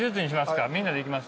みんなでいきますか？